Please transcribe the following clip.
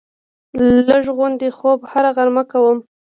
لږ غوندې خوب هره غرمه کومه